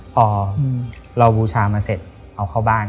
พอเราบูชามาเสร็จเอาเข้าบ้าน